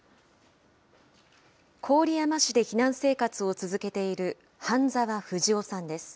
郡山市で避難生活を続けている半澤富二雄さんです。